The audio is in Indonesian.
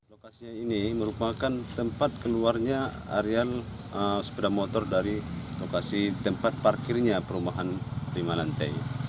lokasi ini merupakan tempat keluarnya areal sepeda motor dari lokasi tempat parkirnya perumahan lima lantai